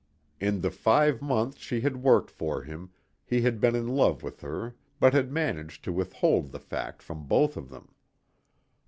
In the five months she had worked for him he had been in love with her but had managed to withhold the fact from both of them.